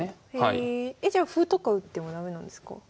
えじゃあ歩とか打っても駄目なんですか？